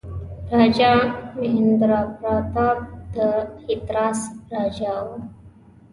راجا مهیندراپراتاپ د هتراس راجا وو.